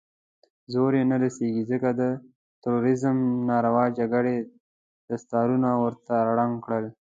زور يې نه رسېږي، ځکه د تروريزم ناروا جګړې دستارونه ورته ړنګ کړل.